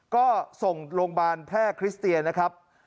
ก็ส่งโรงพยาบาลแพร่คริสเตียนนะครับ